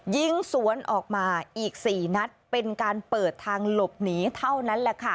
ยิงสวนออกมาอีก๔นัดเป็นการเปิดทางหลบหนีเท่านั้นแหละค่ะ